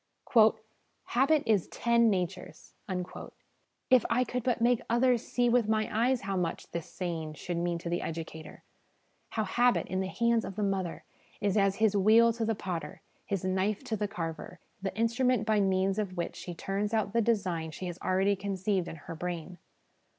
' Habit is TEN natures !' If I could but make others see with my eyes how much this saying should mean to the educator ! How habit, in the hands of the mother, is as his wheel to the potter, his knife to the carver the instrument by means of which she turns out the design she has already conceived in her brain.